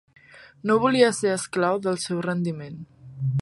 No volia ser esclau del seu rendiment.